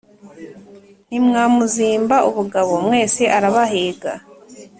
Ntimwamuzimba ubugabo mwese arabahiga